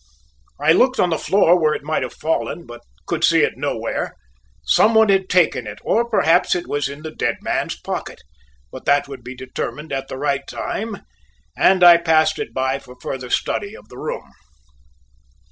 I looked on the floor where it might have fallen, but could see it nowhere; some one had taken it or perhaps it was in the dead man's pocket; but that would be determined at the right time, and I passed it by for further study of the room.